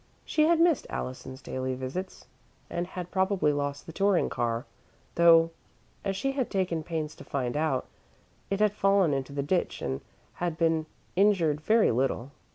She had missed Allison's daily visits and had probably lost the touring car, though as she had taken pains to find out, it had fallen into the ditch and had been injured very little.